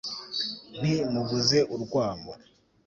nti 'muvuze urwamo!'